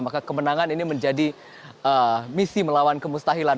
maka kemenangan ini menjadi misi melawan kemustahilan